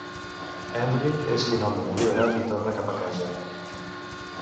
Henry és finalment alliberat i torna cap a casa.